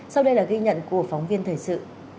sau đây là ghi nhận của phóng viên thời sự